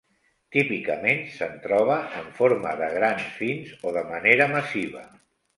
Típicament se'n troba en forma de grans fins o de manera massiva.